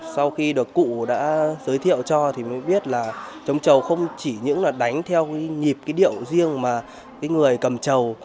sau khi được cụ đã giới thiệu cho thì mới biết là trống trầu không chỉ những là đánh theo cái nhịp cái điệu riêng mà cái người cầm trầu